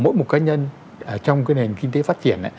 mỗi một cá nhân trong cái nền kinh tế phát triển